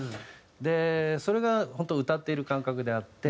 でそれが本当歌っている感覚であって。